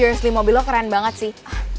ga heran lah kalo mel dulu keren banget sih